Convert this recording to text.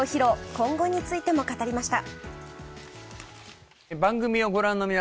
今後についても語りました。